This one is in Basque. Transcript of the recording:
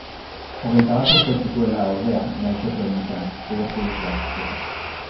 Hogeita bat urte zituela, ordea, gaixotu egin zen, tuberkulosiak jota.